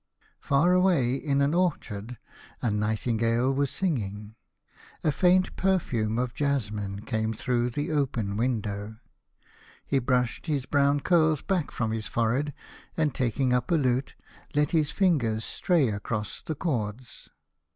Far away, in an orchard, a nightingale was singing. A faint perfume of jasmine came through the open window. He brushed his brown curls back from his forehead,' and taking up a lute, let his fingers stray across the cords.